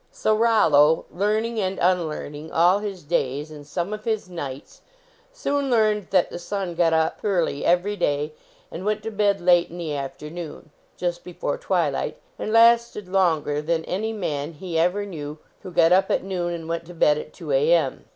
So Rollo, learning and unlearning, all his days and some of his nights, soon learned that the sun got up early every day and went to bed late in the afternoon, just before twi light, and lasted longer than any man he ever knew who got up at noon and went to bed at 2 A. M.